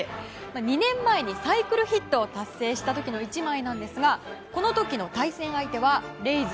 ２年前にサイクルヒットを達成した時の１枚なんですがこの時の対戦相手はレイズ。